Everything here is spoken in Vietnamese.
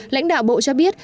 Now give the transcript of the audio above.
lãnh đạo bộ cho biết